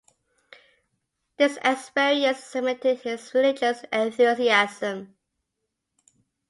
This experience cemented his religious enthusiasm.